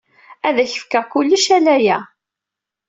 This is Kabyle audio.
Ad ak-fkeɣ kullec ala aya.